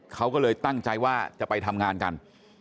เขาก็เลยตั้งใจว่าจะไปทำงานกัน